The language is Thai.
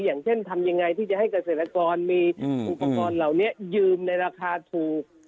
อย่างเช่นทำยังไงที่จะให้เกษตรกรมีอุปกรณ์เหล่านี้ยืมในราคาถูก